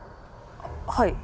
はい。